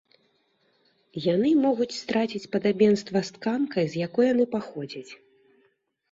Яны могуць страціць падабенства з тканкай, з якой яны паходзяць.